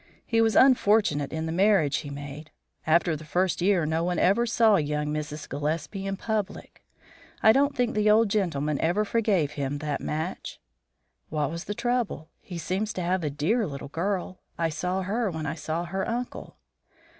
He was unfortunate in the marriage he made. After the first year no one ever saw young Mrs. Gillespie in public. I don't think the old gentleman ever forgave him that match." "What was the trouble? He seems to have a dear little girl. I saw her when I saw her uncle."